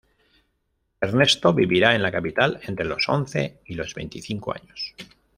Ernesto vivirá en la capital entre los once y los veinticinco años.